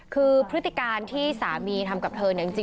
คือพฤติกาลที่สามีทำให้เธอ